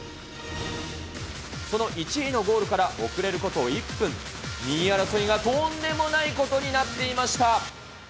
その１位のゴールから遅れること１分、２位争いがとんでもないことになっていました。